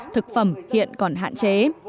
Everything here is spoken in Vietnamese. thực phẩm hiện còn hạn chế